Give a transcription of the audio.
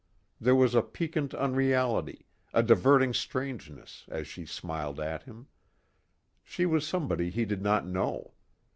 There was a piquant unreality, a diverting strangeness, as she smiled at him. She was somebody he did not know.